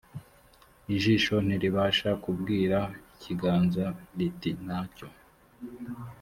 ijisho ntiribasha kubwira ikiganza riti nta cyo